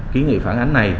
ký nghị phản ánh này